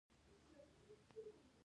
د کاجو دانه د څه لپاره وکاروم؟